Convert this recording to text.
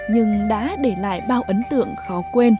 nhưng đã để lại bao ấn tượng khó quên